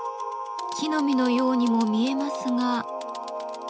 木の実のようにも見えますが。